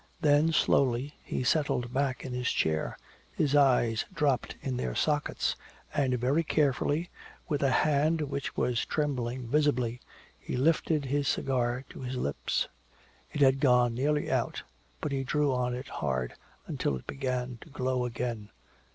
Then slowly he settled back in his chair, his eyes dropped in their sockets, and very carefully, with a hand which was trembling visibly, he lifted his cigar to his lips. It had gone nearly out, but he drew on it hard until it began to glow again.